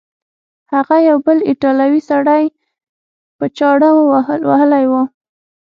هغه یو بل ایټالوی سړی په چاړه وهلی و.